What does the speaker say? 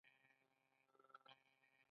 ایا زه ښوونځي ته لاړ شم؟